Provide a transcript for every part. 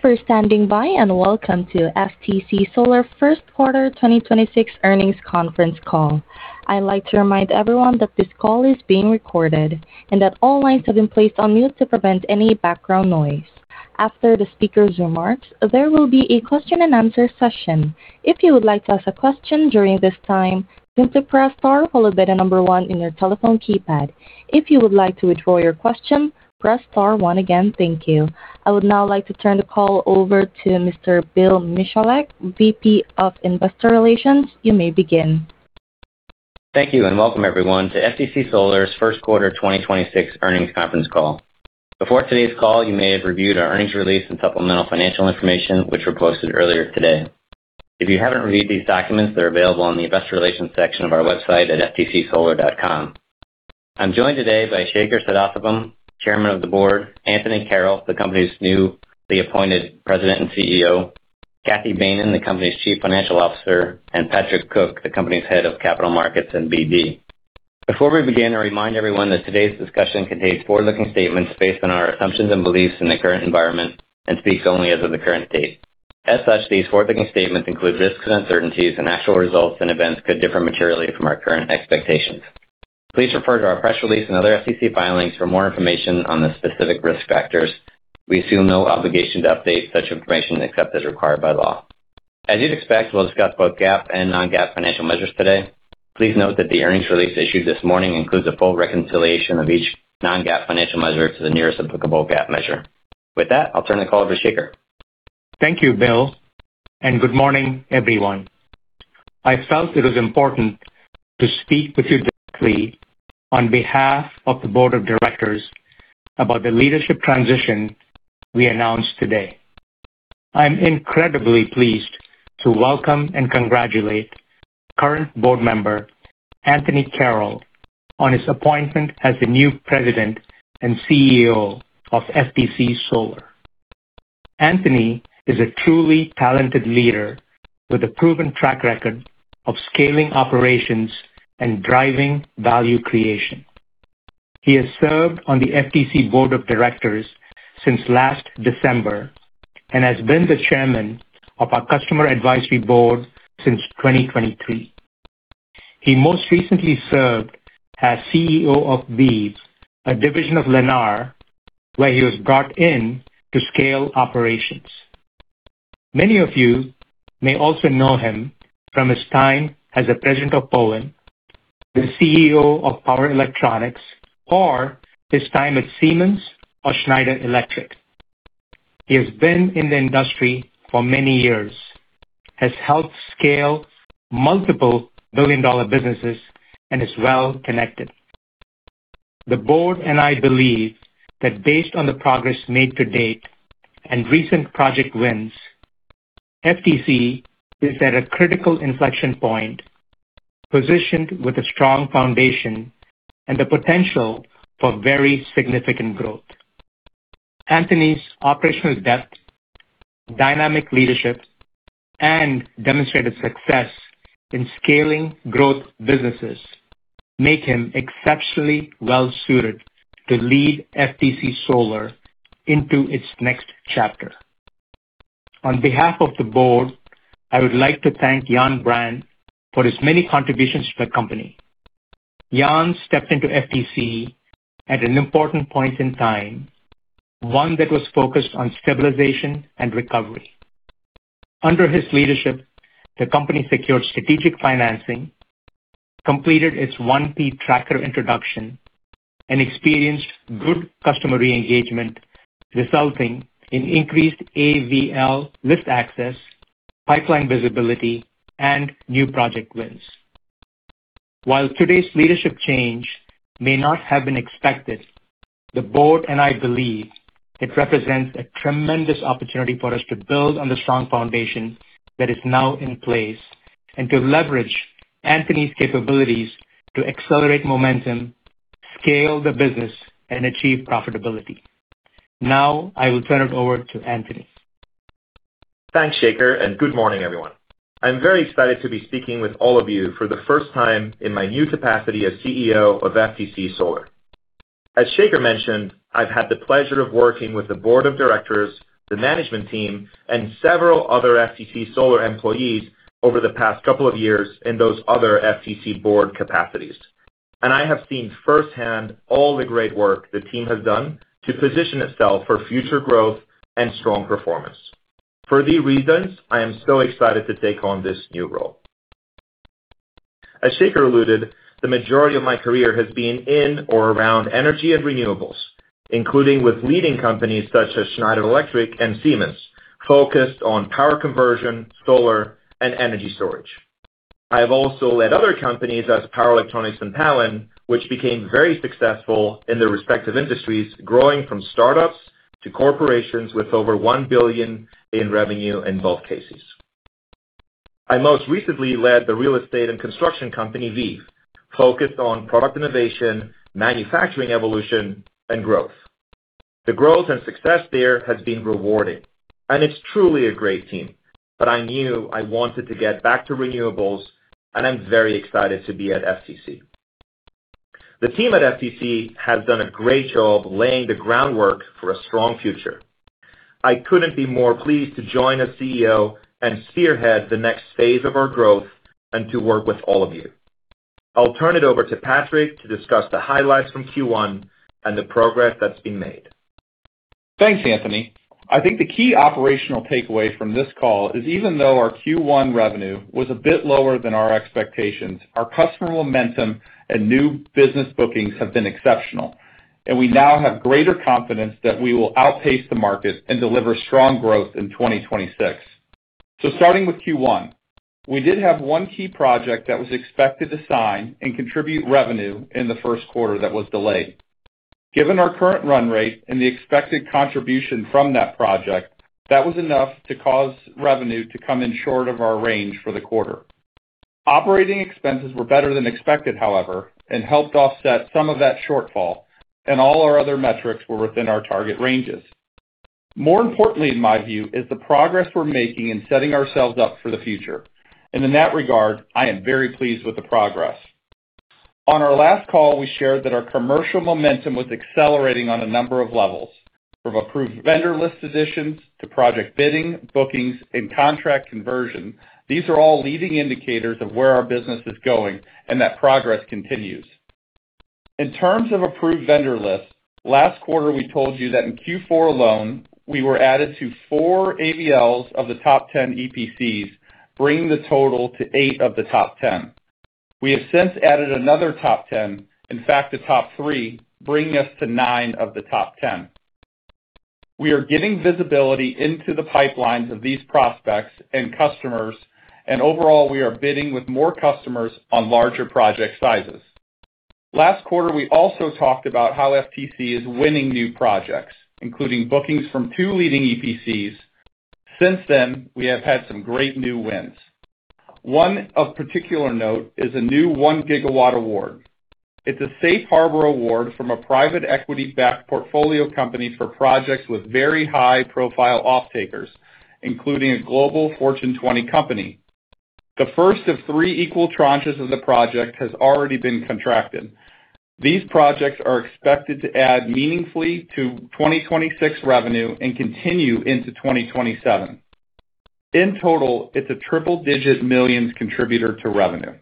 Thank you for standing by, and welcome to FTC Solar first quarter 2026 earnings conference call. I'd like to remind everyone that this call is being recorded and that all lines have been placed on mute to prevent any background noise. After the speakers' remarks, there will be a question and answer session. If you would like to ask a question during this time then press star followed by the number one on your telephone keypad. If you would like to withdraw your question, press star one again. Thank you. I would now like to turn the call over to Mr. Bill Michalek, VP of Investor Relations. You may begin. Thank you, welcome everyone to FTC Solar's first quarter 2026 earnings conference call. Before today's call, you may have reviewed our earnings release and supplemental financial information, which were posted earlier today. If you haven't reviewed these documents, they're available on the investor relations section of our website at investor.ftcsolar.com. I'm joined today by Shaker Sadasivam, Chairman of the Board, Anthony Carroll, the company's newly appointed President and Chief Executive Officer, Cathy Behnen, the company's Chief Financial Officer, and Patrick Cook, the company's Head of Capital Markets and BD. Before we begin, I remind everyone that today's discussion contains forward-looking statements based on our assumptions and beliefs in the current environment and speaks only as of the current date. As such, these forward-looking statements include risks and uncertainties, and actual results and events could differ materially from our current expectations. Please refer to our press release and other FTC filings for more information on the specific risk factors. We assume no obligation to update such information except as required by law. As you'd expect, we'll discuss both GAAP and non-GAAP financial measures today. Please note that the earnings release issued this morning includes a full reconciliation of each non-GAAP financial measure to the nearest applicable GAAP measure. With that, I'll turn the call over to Shaker. Thank you, Bill, and good morning, everyone. I felt it was important to speak with you directly on behalf of the Board of Directors about the leadership transition we announced today. I'm incredibly pleased to welcome and congratulate current board member, Anthony Carroll, on his appointment as the new President and CEO of FTC Solar. Anthony is a truly talented leader with a proven track record of scaling operations and driving value creation. He has served on the FTC Board of Directors since last December and has been the Chairman of our Customer Advisory Board since 2023. He most recently served as CEO of Veev, a division of Lennar, where he was brought in to scale operations. Many of you may also know him from his time as the President of Powin, the CEO of Power Electronics, or his time at Siemens or Schneider Electric. He has been in the industry for many years, has helped scale multiple billion-dollar businesses and is well-connected. The board and I believe that based on the progress made to date and recent project wins, FTC is at a critical inflection point, positioned with a strong foundation and the potential for very significant growth. Anthony's operational depth, dynamic leadership, and demonstrated success in scaling growth businesses make him exceptionally well-suited to lead FTC Solar into its next chapter. On behalf of the board, I would like to thank Yann Brandt for his many contributions to the company. Yann stepped into FTC at an important point in time, one that was focused on stabilization and recovery. Under his leadership, the company secured strategic financing, completed its 1P tracker introduction, and experienced good customer re-engagement, resulting in increased AVL list access, pipeline visibility, and new project wins. While today's leadership change may not have been expected, the board and I believe it represents a tremendous opportunity for us to build on the strong foundation that is now in place and to leverage Anthony's capabilities to accelerate momentum, scale the business, and achieve profitability. Now, I will turn it over to Anthony. Thanks, Shaker. Good morning, everyone. I'm very excited to be speaking with all of you for the first time in my new capacity as CEO of FTC Solar. As Shaker mentioned, I've had the pleasure of working with the board of directors, the management team, and several other FTC Solar employees over the past couple of years in those other FTC board capacities. I have seen firsthand all the great work the team has done to position itself for future growth and strong performance. For these reasons, I am so excited to take on this new role. As Shaker alluded, the majority of my career has been in or around energy and renewables, including with leading companies such as Schneider Electric and Siemens, focused on power conversion, solar, and energy storage. I have also led other companies as Power Electronics and Powin, which became very successful in their respective industries, growing from startups to corporations with over $1 billion in revenue in both cases. I most recently led the real estate and construction company, Veev, focused on product innovation, manufacturing evolution, and growth. The growth and success there has been rewarding, and it's truly a great team, but I knew I wanted to get back to renewables. I'm very excited to be at FTC. The team at FTC has done a great job laying the groundwork for a strong future. I couldn't be more pleased to join as CEO and spearhead the next phase of our growth and to work with all of you. I'll turn it over to Patrick to discuss the highlights from Q1 and the progress that's been made. Thanks, Anthony. I think the key operational takeaway from this call is even though our Q1 revenue was a bit lower than our expectations, our customer momentum and new business bookings have been exceptional, and we now have greater confidence that we will outpace the market and deliver strong growth in 2026. Starting with Q1, we did have one key project that was expected to sign and contribute revenue in the first quarter that was delayed. Given our current run rate and the expected contribution from that project, that was enough to cause revenue to come in short of our range for the quarter. Operating expenses were better than expected, however, and helped offset some of that shortfall, and all our other metrics were within our target ranges. More importantly, in my view, is the progress we're making in setting ourselves up for the future. In that regard, I am very pleased with the progress. On our last call, we shared that our commercial momentum was accelerating on a number of levels. From approved vendor list additions to project bidding, bookings, and contract conversion, these are all leading indicators of where our business is going and that progress continues. In terms of Approved Vendor Lists, last quarter we told you that in Q4 alone, we were added to four AVLs of the top 10 EPCs, bringing the total to eight of the top 10. We have since added another top 10, in fact, the top 3, bringing us to nine of the top 10. We are getting visibility into the pipelines of these prospects and customers, overall, we are bidding with more customers on larger project sizes. Last quarter, we also talked about how FTC is winning new projects, including bookings from two leading EPCs. Since then, we have had some great new wins. One of particular note is a new 1 GW award. It's a Safe Harbor award from a private equity-backed portfolio company for projects with very high-profile off-takers, including a global Fortune 20 company. The first of three equal tranches of the project has already been contracted. These projects are expected to add meaningfully to 2026 revenue and continue into 2027. In total, it's a triple-digit millions contributor to revenue.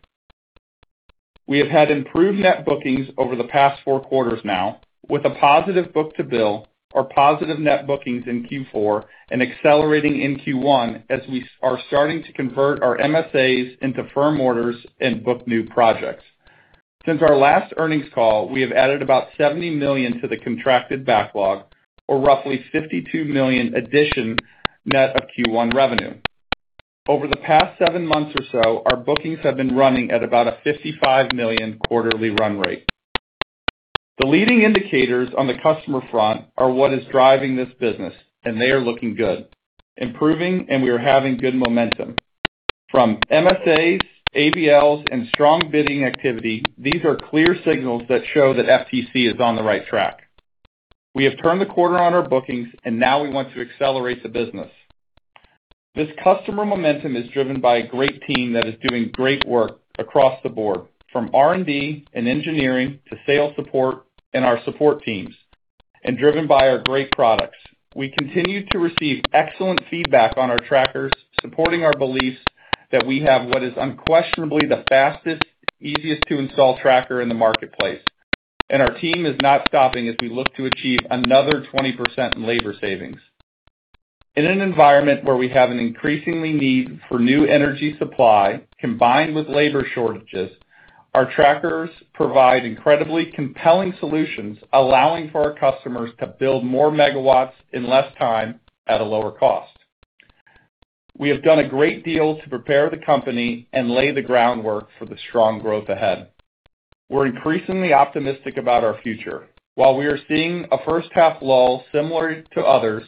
We have had improved net bookings over the past four quarters now with a positive book-to-bill or positive net bookings in Q4 and accelerating in Q1 as we are starting to convert our MSAs into firm orders and book new projects. Since our last earnings call, we have added about $70 million to the contracted backlog or roughly $52 million addition net of Q1 revenue. Over the past seven months or so, our bookings have been running at about a $55 million quarterly run rate. The leading indicators on the customer front are what is driving this business, and they are looking good, improving, and we are having good momentum. From MSAs, AVLs, and strong bidding activity, these are clear signals that show that FTC is on the right track. We have turned the quarter on our bookings, and now we want to accelerate the business. This customer momentum is driven by a great team that is doing great work across the board, from R&D and engineering to sales support and our support teams, and driven by our great products. We continue to receive excellent feedback on our trackers, supporting our beliefs that we have what is unquestionably the fastest, easiest to install tracker in the marketplace. Our team is not stopping as we look to achieve another 20% in labor savings. In an environment where we have an increasingly need for new energy supply combined with labor shortages, our trackers provide incredibly compelling solutions, allowing for our customers to build more megawatts in less time at a lower cost. We have done a great deal to prepare the company and lay the groundwork for the strong growth ahead. We're increasingly optimistic about our future. While we are seeing a first-half lull similar to others,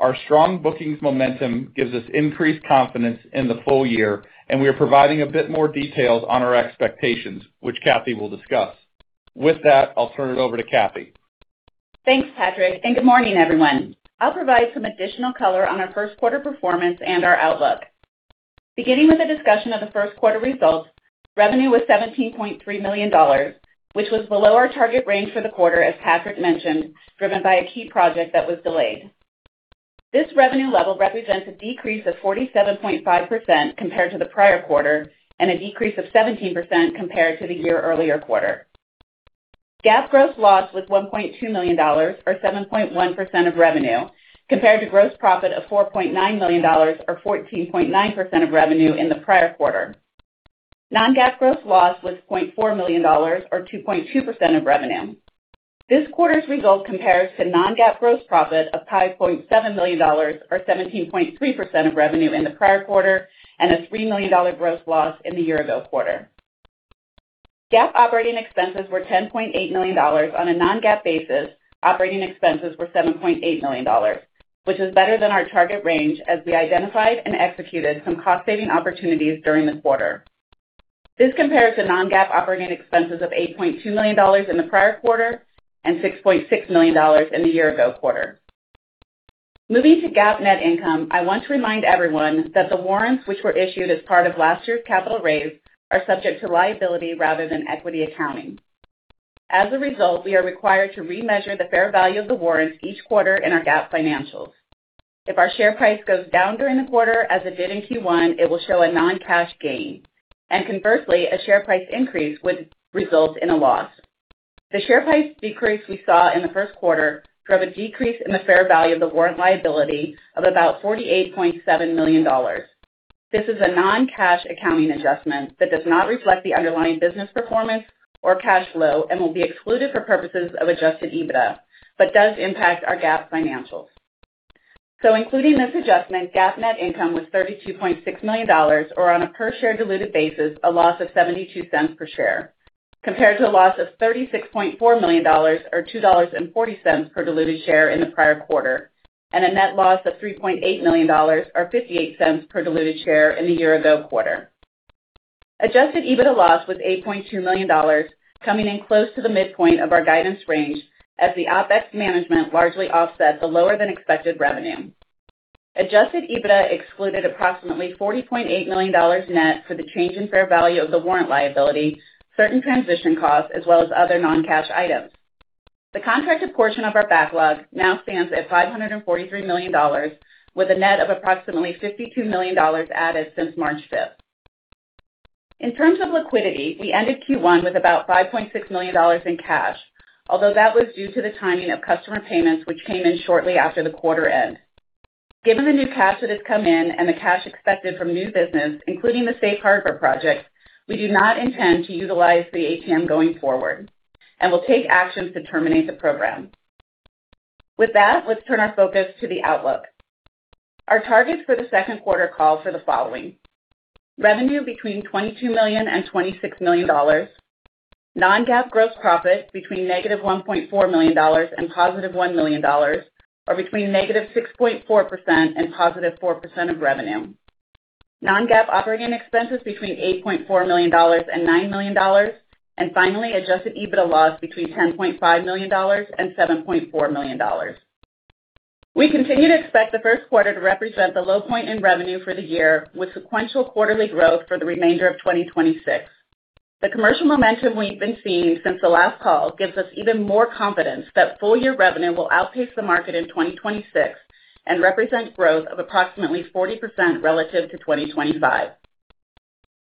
our strong bookings momentum gives us increased confidence in the full year, and we are providing a bit more details on our expectations, which Cathy will discuss. With that, I'll turn it over to Cathy. Thanks, Patrick. Good morning, everyone. I'll provide some additional color on our first quarter performance and our outlook. Beginning with a discussion of the first quarter results, revenue was $17.3 million, which was below our target range for the quarter, as Patrick mentioned, driven by a key project that was delayed. This revenue level represents a decrease of 47.5% compared to the prior quarter and a decrease of 17% compared to the year-earlier quarter. GAAP gross loss was $1.2 million or 7.1% of revenue compared to gross profit of $4.9 million or 14.9% of revenue in the prior quarter. Non-GAAP gross loss was $0.4 million or 2.2% of revenue. This quarter's result compares to non-GAAP gross profit of $5.7 million or 17.3% of revenue in the prior quarter and a $3 million gross loss in the year ago quarter. GAAP operating expenses were $10.8 million. On a non-GAAP basis, operating expenses were $7.8 million, which is better than our target range as we identified and executed some cost-saving opportunities during the quarter. This compares to non-GAAP operating expenses of $8.2 million in the prior quarter and $6.6 million in the year ago quarter. Moving to GAAP net income, I want to remind everyone that the warrants which were issued as part of last year's capital raise are subject to liability rather than equity accounting. As a result, we are required to remeasure the fair value of the warrants each quarter in our GAAP financials. If our share price goes down during the quarter, as it did in Q1, it will show a non-cash gain. Conversely, a share price increase would result in a loss. The share price decrease we saw in the first quarter drove a decrease in the fair value of the warrant liability of about $48.7 million. This is a non-cash accounting adjustment that does not reflect the underlying business performance or cash flow and will be excluded for purposes of Adjusted EBITDA, but does impact our GAAP financials. Including this adjustment, GAAP net income was $32.6 million or on a per share diluted basis, a loss of $0.72 per share, compared to a loss of $36.4 million or $2.40 per diluted share in the prior quarter, and a net loss of $3.8 million or $0.58 per diluted share in the year-ago quarter. Adjusted EBITDA loss was $8.2 million, coming in close to the midpoint of our guidance range as the OpEx management largely offset the lower than expected revenue. Adjusted EBITDA excluded approximately $40.8 million net for the change in fair value of the warrant liability, certain transition costs as well as other non-cash items. The contracted portion of our backlog now stands at $543 million with a net of approximately $52 million added since March 5th. In terms of liquidity, we ended Q1 with about $5.6 million in cash, although that was due to the timing of customer payments, which came in shortly after the quarter end. Given the new cash that has come in and the cash expected from new business, including the Safe Harbor project, we do not intend to utilize the ATM going forward and will take actions to terminate the program. With that, let's turn our focus to the outlook. Our targets for the second quarter call for the following. Revenue between $22 million-$26 million. Non-GAAP gross profit between -$1.4 million and +$1 million, or between -6.4% and +4% of revenue. Non-GAAP operating expenses between $8.4 million and $9 million. Finally, Adjusted EBITDA loss between $10.5 million and $7.4 million. We continue to expect the first quarter to represent the low point in revenue for the year with sequential quarterly growth for the remainder of 2026. The commercial momentum we've been seeing since the last call gives us even more confidence that full-year revenue will outpace the market in 2026 and represent growth of approximately 40% relative to 2025.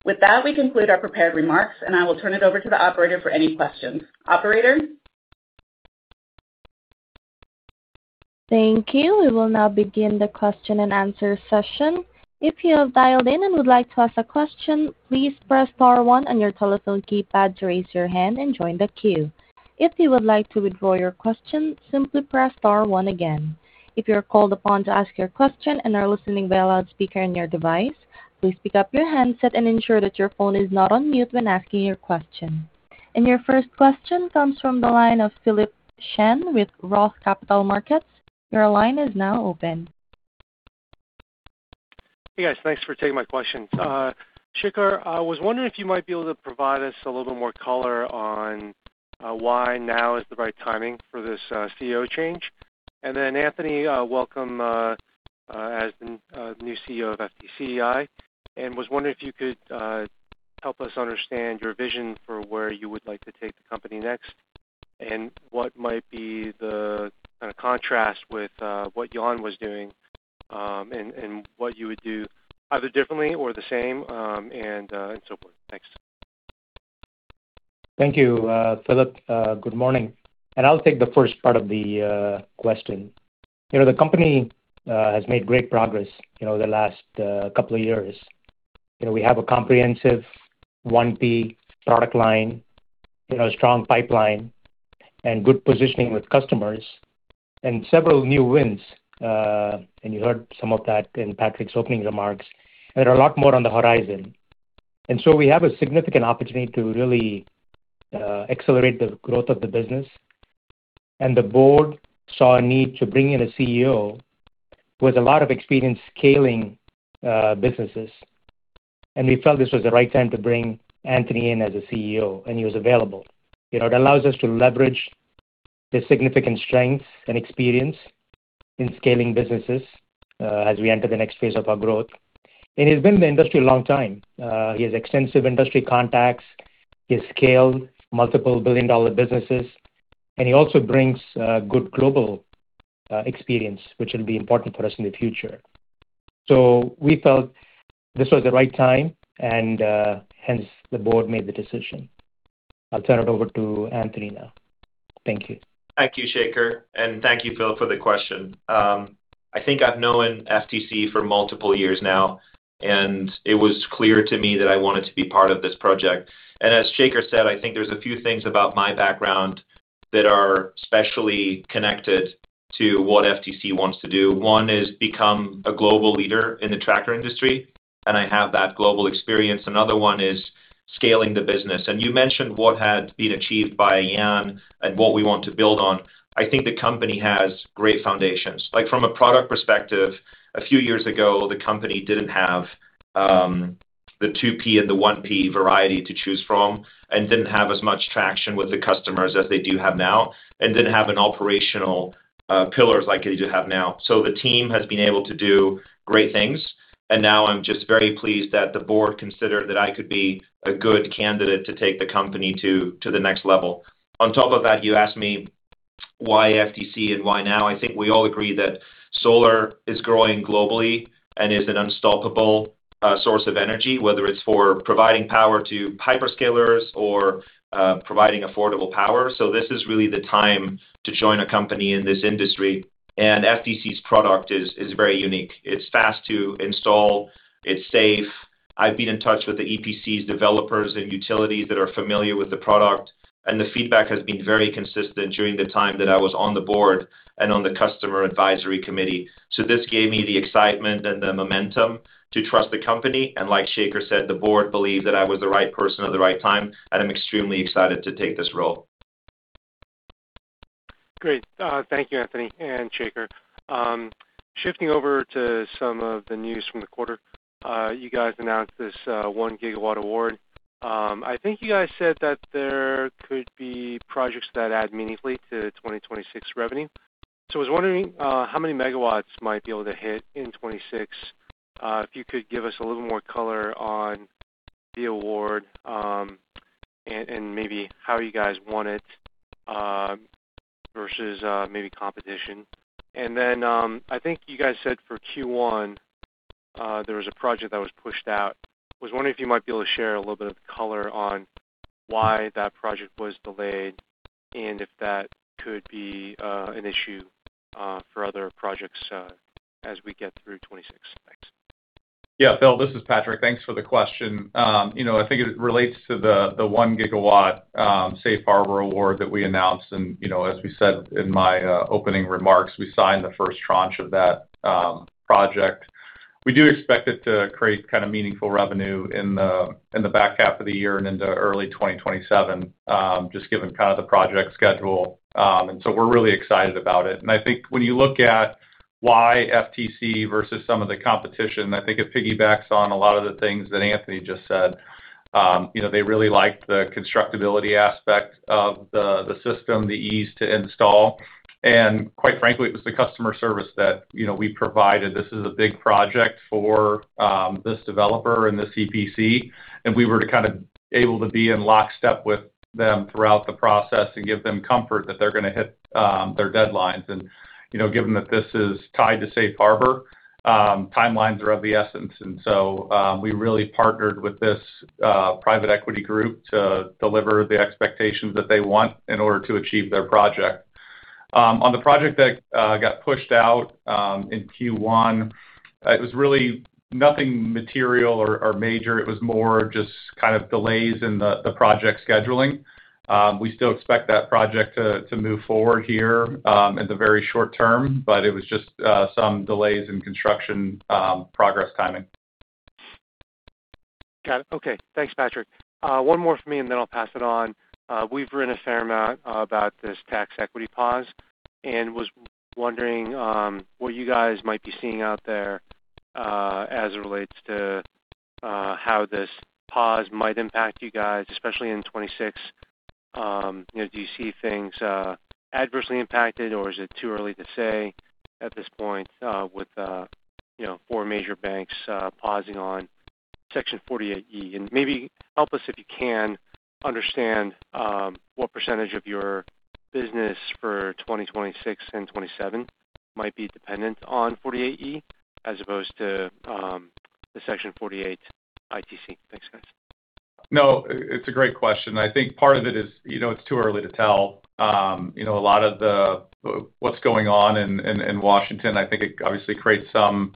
With that, we conclude our prepared remarks, and I will turn it over to the operator for any questions. Operator? Thank you. We will now begin the question and answer session. Your first question comes from the line of Philip Shen with ROTH Capital Partners. Your line is now open. Hey, guys. Thanks for taking my questions. Shaker, I was wondering if you might be able to provide us a little more color on why now is the right timing for this CEO change. Anthony, welcome as the new CEO of FTC Solar, and was wondering if you could help us understand your vision for where you would like to take the company next and what might be the kind of contrast with what Yann was doing, and what you would do either differently or the same, and so forth. Thanks. Thank you, Philip. Good morning. I'll take the first part of the question. You know, the company has made great progress, you know, the last couple of years. You know, we have a comprehensive one big product line, you know, strong pipeline, and good positioning with customers and several new wins. You heard some of that in Patrick's opening remarks. There are a lot more on the horizon. We have a significant opportunity to really accelerate the growth of the business. The board saw a need to bring in a CEO with a lot of experience scaling businesses. We felt this was the right time to bring Anthony in as a CEO, and he was available. You know, it allows us to leverage the significant strengths and experience in scaling businesses, as we enter the next phase of our growth. He's been in the industry a long time. He has extensive industry contacts. He's scaled multiple billion-dollar businesses, and he also brings good global experience, which will be important for us in the future. We felt this was the right time, and hence the board made the decision. I'll turn it over to Anthony now. Thank you. Thank you, Shaker. Thank you, Philip, for the question. I think I've known FTC for multiple years now, and it was clear to me that I wanted to be part of this project. As Shaker said, I think there's a few things about my background that are specially connected to what FTC wants to do. One is become a global leader in the tracker industry, and I have that global experience. Another one is scaling the business. You mentioned what had been achieved by Yann and what we want to build on. I think the company has great foundations. Like from a product perspective, a few years ago, the company didn't have. The 2P and the 1P variety to choose from, didn't have as much traction with the customers as they do have now, and didn't have an operational pillars like they do have now. The team has been able to do great things, and now I'm just very pleased that the board considered that I could be a good candidate to take the company to the next level. On top of that, you asked me why FTC and why now. I think we all agree that solar is growing globally and is an unstoppable source of energy, whether it's for providing power to hyperscalers or providing affordable power. This is really the time to join a company in this industry. FTC's product is very unique. It's fast to install, it's safe. I've been in touch with the EPCs developers and utilities that are familiar with the product, the feedback has been very consistent during the time that I was on the board and on the customer advisory committee. This gave me the excitement and the momentum to trust the company. Like Shaker said, the board believed that I was the right person at the right time, I'm extremely excited to take this role. Great. Thank you, Anthony and Shaker. Shifting over to some of the news from the quarter. You guys announced this 1 GW award. I think you guys said that there could be projects that add meaningfully to 2026 revenue. I was wondering how many megawatts might be able to hit in 2026? If you could give us a little more color on the award, and maybe how you guys won it versus maybe competition. I think you guys said for Q1, there was a project that was pushed out. I was wondering if you might be able to share a little bit of color on why that project was delayed and if that could be an issue for other projects as we get through 2026. Thanks. Yeah, Philip, this is Patrick. Thanks for the question. You know, I think it relates to the 1 GW Safe Harbor award that we announced. You know, as we said in my opening remarks, we signed the first tranche of that project. We do expect it to create kind of meaningful revenue in the back half of the year and into early 2027, just given kind of the project schedule. We're really excited about it. I think when you look at why FTC versus some of the competition, I think it piggybacks on a lot of the things that Anthony just said. You know, they really liked the constructability aspect of the system, the ease to install. Quite frankly, it was the customer service that, you know, we provided. This is a big project for this developer and this EPC, and we were to kind of able to be in lockstep with them throughout the process and give them comfort that they're gonna hit their deadlines. You know, given that this is tied to Safe Harbor, timelines are of the essence. We really partnered with this private equity group to deliver the expectations that they want in order to achieve their project. On the project that got pushed out in Q1, it was really nothing material or major. It was more just kind of delays in the project scheduling. We still expect that project to move forward here in the very short term, but it was just some delays in construction progress timing. Got it. Okay. Thanks, Patrick. One more from me, and then I'll pass it on. We've written a fair amount about this tax equity pause, and was wondering what you guys might be seeing out there as it relates to how this pause might impact you guys, especially in 2026. You know, do you see things adversely impacted, or is it too early to say at this point with you know, four major banks pausing on Section 48E? Maybe help us, if you can, understand what percentage of your business for 2026 and 2027 might be dependent on 48E as opposed to the Section 48 ITC. Thanks, guys. No, it's a great question. I think part of it is, you know, it's too early to tell. You know, a lot of what's going on in Washington, I think it obviously creates some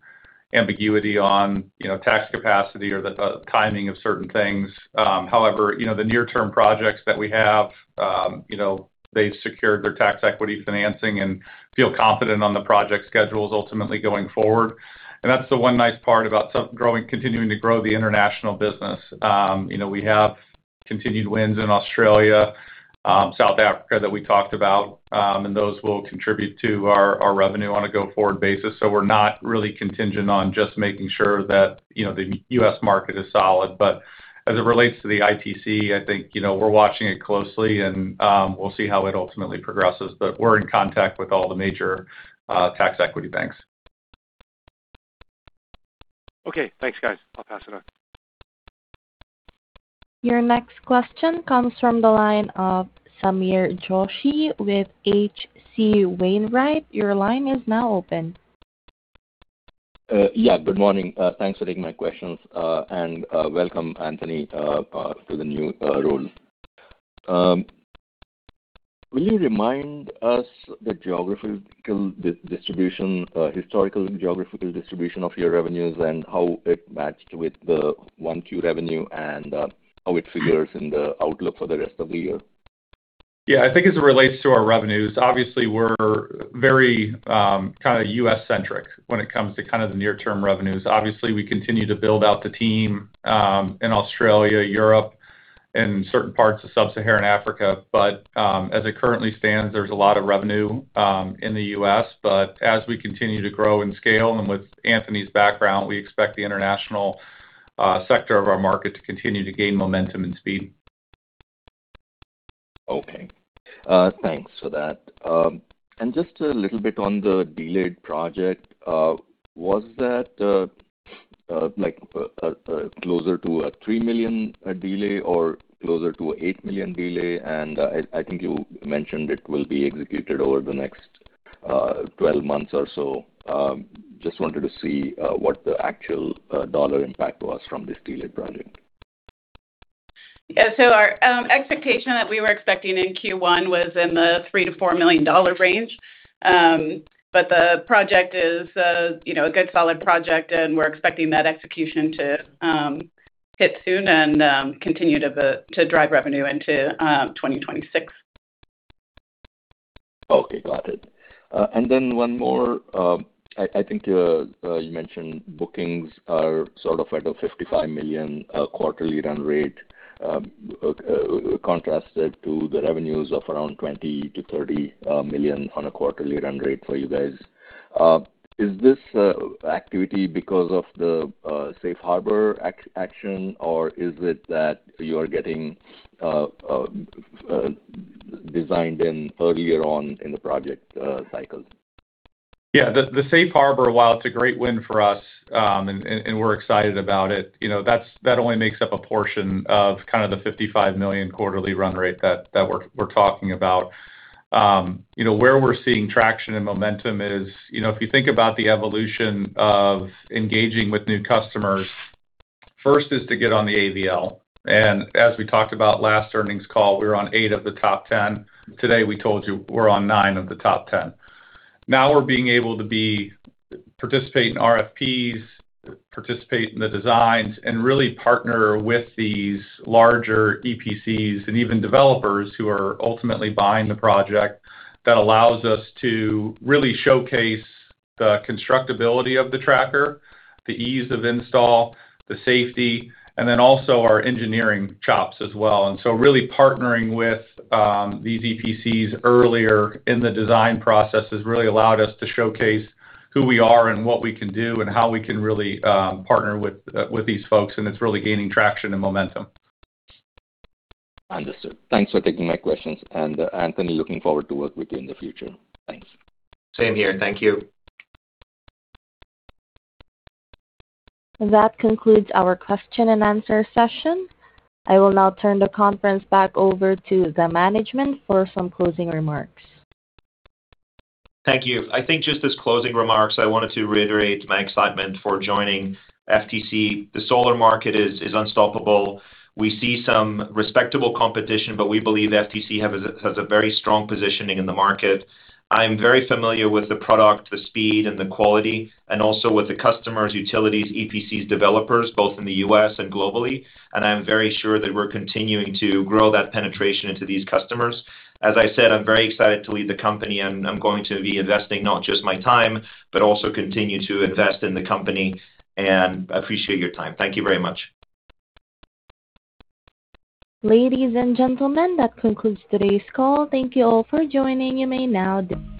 ambiguity on, you know, tax capacity or the timing of certain things. However, you know, the near-term projects that we have, you know, they've secured their tax equity financing and feel confident on the project schedules ultimately going forward. That's the one nice part about continuing to grow the international business. You know, we have continued wins in Australia, South Africa that we talked about. Those will contribute to our revenue on a go-forward basis. We're not really contingent on just making sure that, you know, the U.S. market is solid. As it relates to the ITC, I think, you know, we're watching it closely and we'll see how it ultimately progresses. We're in contact with all the major tax equity banks. Okay, thanks, guys. I'll pass it on. Your next question comes from the line of Sameer Joshi with H.C. Wainwright. Your line is now open. Yeah, good morning. Thanks for taking my questions. Welcome, Anthony, to the new role. Will you remind us the geographical distribution, historical geographical distribution of your revenues and how it matched with the 1Q revenue and how it figures in the outlook for the rest of the year? Yeah. I think as it relates to our revenues, obviously we're very, kind of U.S.-centric when it comes to kind of the near-term revenues. Obviously, we continue to build out the team in Australia, Europe. In certain parts of Sub-Saharan Africa. As it currently stands, there's a lot of revenue in the U.S. As we continue to grow and scale, and with Anthony's background, we expect the international sector of our market to continue to gain momentum and speed. Okay. thanks for that. just a little bit on the delayed project. was that like closer to a $3 million delay or closer to a $8 million delay? I think you mentioned it will be executed over the next 12 months or so. just wanted to see what the actual dollar impact was from this delayed project. Yeah. Our expectation that we were expecting in Q1 was in the $3 million-$4 million range. The project is, you know, a good solid project, and we're expecting that execution to hit soon and continue to drive revenue into 2026. Okay, got it. Then one more. I think you mentioned bookings are sort of at a $55 million quarterly run rate, contrasted to the revenues of around $20 million-$30 million on a quarterly run rate for you guys. Is this activity because of the Safe Harbor action, or is it that you are getting designed in earlier on in the project cycles? Yeah. The Safe Harbor, while it's a great win for us, and we're excited about it, you know, that only makes up a portion of kind of the $55 million quarterly run rate that we're talking about. You know, where we're seeing traction and momentum is, you know, if you think about the evolution of engaging with new customers, first is to get on the AVL. As we talked about last earnings call, we were on eight of the top 10. Today, we told you we're on nine of the top 10. Now we're being able to participate in RFPs, participate in the designs, and really partner with these larger EPCs and even developers who are ultimately buying the project. That allows us to really showcase the constructability of the tracker, the ease of install, the safety, and then also our engineering chops as well. Really partnering with these EPCs earlier in the design process has really allowed us to showcase who we are and what we can do and how we can really partner with these folks, and it's really gaining traction and momentum. Understood. Thanks for taking my questions. Anthony, looking forward to work with you in the future. Thanks. Same here. Thank you. That concludes our question and answer session. I will now turn the conference back over to the management for some closing remarks. Thank you. I think just as closing remarks, I wanted to reiterate my excitement for joining FTC. The solar market is unstoppable. We see some respectable competition, we believe FTC has a very strong positioning in the market. I am very familiar with the product, the speed and the quality, also with the customers, utilities, EPCs, developers, both in the U.S. and globally, I am very sure that we're continuing to grow that penetration into these customers. As I said, I'm very excited to lead the company, I'm going to be investing not just my time, but also continue to invest in the company, appreciate your time. Thank you very much. Ladies and gentlemen, that concludes today's call. Thank you all for joining. You may now disconnect.